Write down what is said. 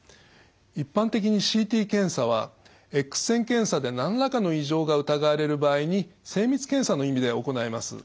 一般的にＣＴ検査はエックス線検査で何らかの異常が疑われる場合に精密検査の意味で行います。